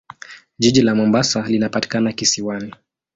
Jiji la Mombasa linapatikana kisiwani.